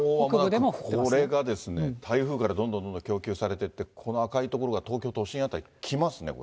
もうまもなくこれがですね、台風からどんどんどんどん供給されていって、この赤い所が東京都心辺り来ますね、これ。